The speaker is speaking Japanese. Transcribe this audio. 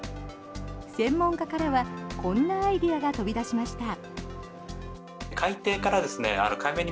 専門家からは、こんなアイデアが飛び出しました。